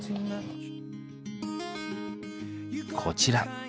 こちら。